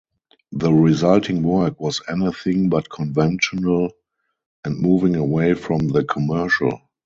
The resulting work was anything but conventional and moving away from the commercial.